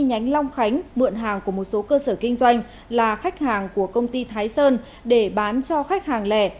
nhánh long khánh mượn hàng của một số cơ sở kinh doanh là khách hàng của công ty thái sơn để bán cho khách hàng lẻ